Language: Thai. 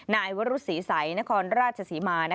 นายวรุษศรีสัยนครราชศรีมา